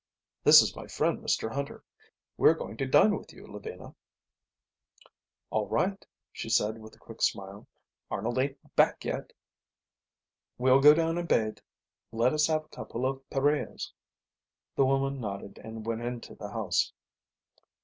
"This is my friend Mr Hunter. We're going to dine with you, Lavina." "All right," she said, with a quick smile. "Arnold ain't back yet." "We'll go down and bathe. Let us have a couple of pareos." The woman nodded and went into the house.